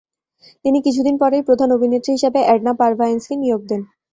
তিনি কিছু দিন পরেই প্রধান অভিনেত্রী হিসেবে এডনা পারভায়েন্সকে নিয়োগ দেন।